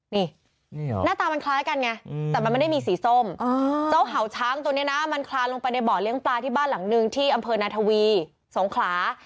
นี่หน้าตามันคล้ายกันไงแต่มันไม่ได้มีสีส้มเจ้าเห่าช้างตัวนี้นะมันคลานลงไปในบ่อเลี้ยงปลาที่บ้านหลังนึงที่อำเภอนาทวีสงขลา